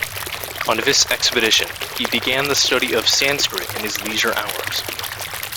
On this expedition, he began the study of Sanskrit in his leisure hours.